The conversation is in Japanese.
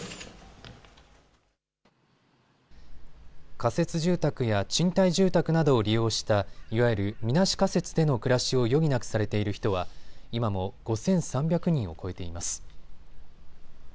仮設住宅や賃貸住宅などを利用したいわゆるみなし仮設での暮らしを余儀なくされている人は今も５３００人を超えています。